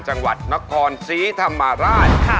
จังหวัดนครศรีธรรมราช